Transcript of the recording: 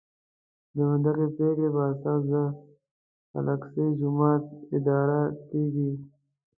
د همدغې پرېکړې په اساس د الاقصی جومات اداره کېږي.